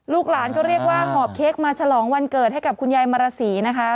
หลานก็เรียกว่าหอบเค้กมาฉลองวันเกิดให้กับคุณยายมาราศีนะคะ